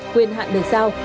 quyền hạn được giao